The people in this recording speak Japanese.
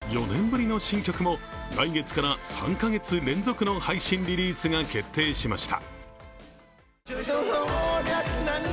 更に、４年ぶりの新曲も来月から３か月連続の配信リリースが決定しました。